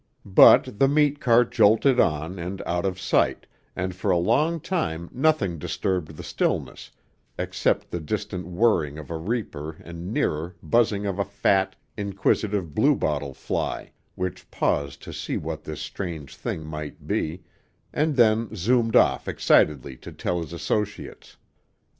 But the meat cart jolted on and out of sight, and for a long time nothing disturbed the stillness except the distant whirring of a reaper and nearer buzzing of a fat, inquisitive bluebottle fly, which paused to see what this strange thing might be, and then zoomed off excitedly to tell his associates.